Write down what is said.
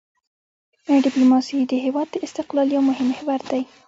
ډیپلوماسي د هېواد د استقلال یو مهم محور دی.